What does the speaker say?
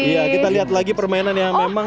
iya kita lihat lagi permainan yang memang